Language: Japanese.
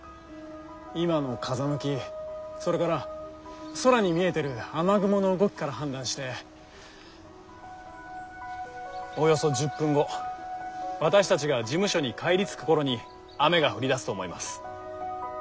今の風向きそれから空に見えてる雨雲の動きから判断しておよそ１０分後私たちが事務所に帰り着く頃に雨が降りだすと思います。